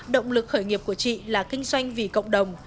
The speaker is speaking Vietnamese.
động lực khởi nghiệp của chị là kinh doanh vì cộng đồng